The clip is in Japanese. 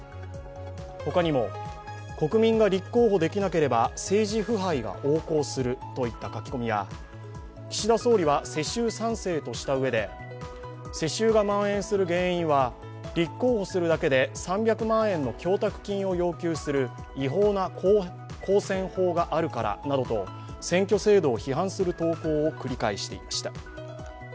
他にも、国民が立候補できなければ政治腐敗が横行するといった書き込みや岸田総理は世襲３世としたうえで世襲がまん延する原因は立候補するだけで３００万円の供託金を要求する違法な公選法があるからなどと選挙制度を批判する投稿を繰り返していました。